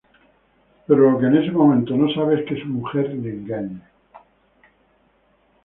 Pero lo que en este momento no sabe es que su mujer le engaña.